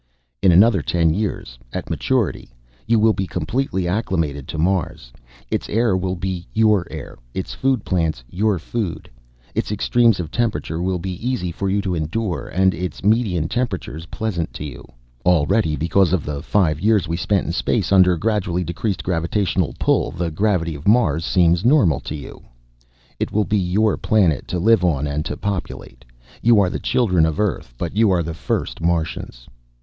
"In another ten years, at maturity, you will be completely acclimated to Mars. Its air will be your air; its food plants your food. Its extremes of temperature will be easy for you to endure and its median temperatures pleasant to you. Already, because of the five years we spent in space under gradually decreased gravitational pull, the gravity of Mars seems normal to you. "It will be your planet, to live on and to populate. You are the children of Earth but you are the first Martians."